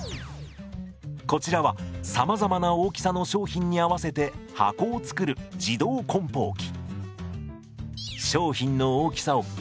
こちらはさまざまな大きさの商品に合わせて箱を作る自動梱包機。